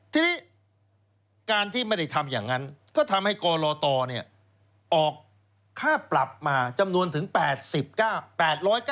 ทีนี้การที่ไม่ได้ทำอย่างนั้นก็ทำให้กรตออกค่าปรับมาจำนวนถึง๘๙